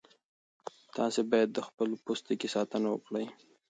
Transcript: تاسي باید د خپل پوستکي ساتنه وکړئ.